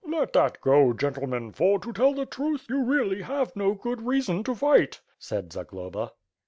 " "Let that go, gentlemen, for, to tell the truth, you really have no good reason to fight," said Zagloba.